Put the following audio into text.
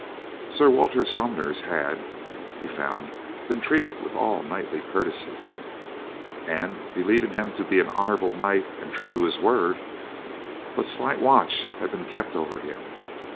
Sir Walter Somers had, he found, been treated with all knightly courtesy, and believing him to be an honourable knight and true to his word, but slight watch had been kept over him.